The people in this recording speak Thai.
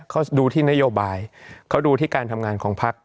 เขาดูที่นโยบายเขาดูที่การทำงานของพัก